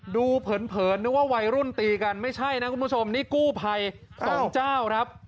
เผินนึกว่าวัยรุ่นตีกันไม่ใช่นะคุณผู้ชมนี่กู้ภัยสองเจ้าครับ